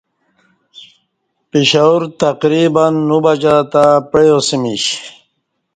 پشاور تقریبا نو بجہ تہ پعیاسمیش